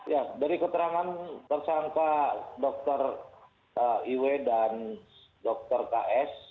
ya dari keterangan persyaratan dokter iw dan dokter ks